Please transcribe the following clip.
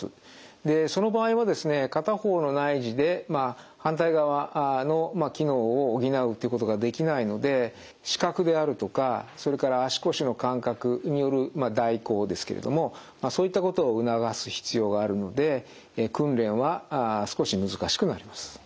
でその場合はですね片方の内耳で反対側の機能を補うってことができないので視覚であるとかそれから足腰の感覚による代行ですけれどもそういったことを促す必要があるので訓練は少し難しくなります。